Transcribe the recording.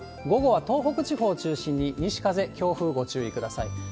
午後は東北地方を中心に西風、強風ご注意ください。